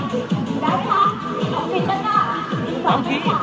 สุดท้ายค่ะจิ๊กก็ทักเบียค่ะ